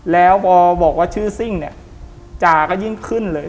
แล้วพอบอกว่าชื่อซิ่งเนี่ยจาก็ยิ่งขึ้นเลย